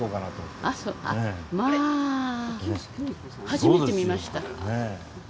初めて見ました。